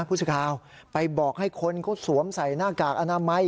พุธิกาลไปบอกให้คนก็สวมใส่หน้ากากอนามัย